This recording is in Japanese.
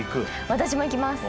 私もいきます。